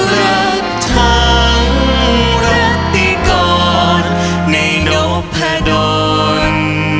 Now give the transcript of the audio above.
รักทั้งรกติกรในโนพโดน